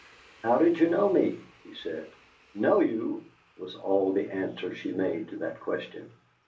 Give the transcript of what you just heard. "How did you know me?" he said. "Know you!" was all the answer she made to that question.